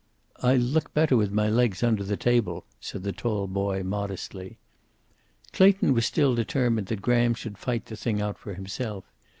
"I look better with my legs under the table," said the tall boy, modestly. Clayton was still determined that Graham should fight the thing out for himself.